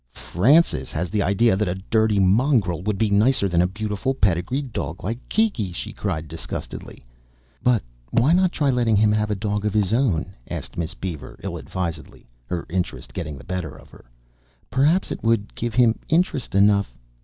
"Francis has the idea that a dirty mongrel would be nicer than a beautiful pedigreed dog like Kiki," she cried disgustedly. "But why not try letting him have a dog of his own?" asked Miss Beaver ill advisedly, her interest getting the better of her. "Perhaps it would give him interest enough